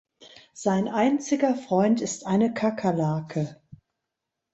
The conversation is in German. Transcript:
Sein einziger Freund ist eine Kakerlake.